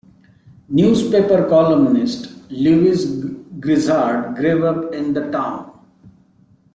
Newspaper columnist Lewis Grizzard grew up in the town.